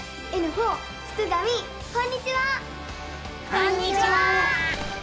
こんにちは！